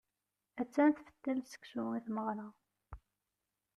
Attan tfettel seksu i tmeɣra.